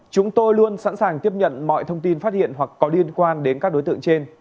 chúng tôi luôn sẵn sàng tiếp nhận mọi thông tin phát hiện hoặc có liên quan đến các đối tượng trên